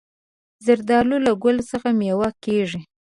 زردالو له ګل څخه مېوه کېږي.